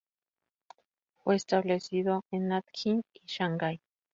Fue establecido en Nanking y Shanghai.